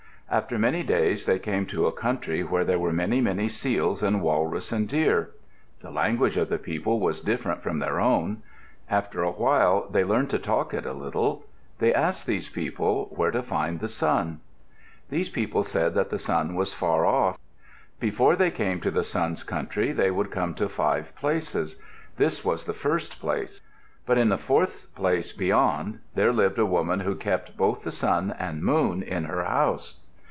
After many days they came to a country where were many, many seals and walrus and deer. The language of the people was different from their own. After a while they learned to talk it a little. They asked these people where to find the sun. These people said that the sun was far off. Before they came to the sun's country they would come to five places. This was the first place. But in the fourth place beyond there lived a woman who kept both the sun and moon in her house.